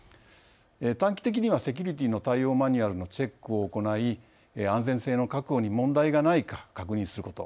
短期的にはセキュリティーの対応マニュアルのチェックを行い安全性の確保に問題がないか確認すること。